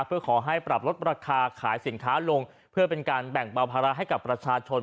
เพื่อขอให้ปรับลดราคาขายสินค้าลงเพื่อเป็นการแบ่งเบาภาระให้กับประชาชน